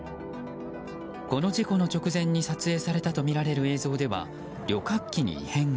この事故の直前に撮影されたとみられる映像では旅客機に異変が。